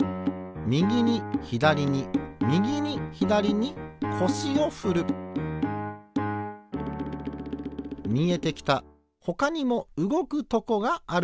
みぎにひだりにみぎにひだりにこしをふるみえてきたほかにもうごくとこがある。